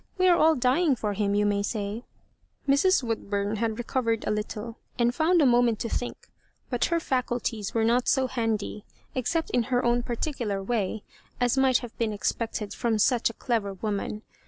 We are all dying for him, you may say." Mrs. Woodbum had recovered a little, and found a moment to think, but her &culties were not so handy, except ui her own particular way, as might have been expected from such a clever woman.